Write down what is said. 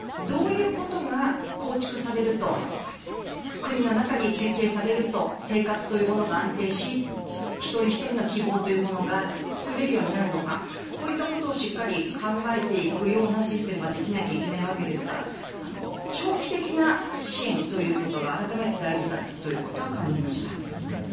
どういうことが構築されると国の中に設計されると安心ができて一人ひとりの希望が作れるようになるのかこういったことをしっかり考えていくようなシステムができないといけないわけですから長期的な支援ということが改めて大事だということを感じました。